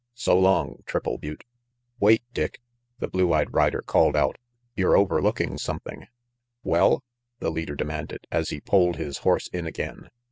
"So long, Triple Butte." "Wait, Dick," the blue eyed rider called out. "You're overlooking something." RANGY PETE 41 "Well?" the leader demanded, as he pulled his horse in again.